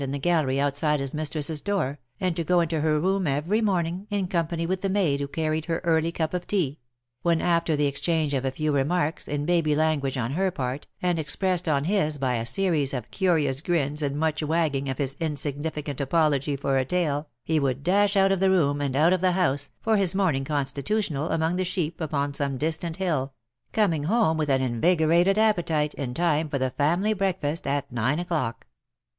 63 in the gallery outside liis mistress's door, and to go into her room every morniug_, in company with the maid who carried her early cup of tea; when, after the exchange of a few remarks, in baby language on her part^ and expressed on his by a series of curious grins and much wagging of his insignificant apology for a tail, he would dash out of the room, and out of the house, for his morning constitutional among the sheep upon some distant hill — coming home with an invigorated appetite, in time for the family breakfast at nine o'clock.